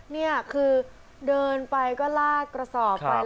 นี่คือเดินไปก็ลากกระสอบไป